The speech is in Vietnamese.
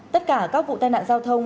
tất cả các vụ tai nạn giao thông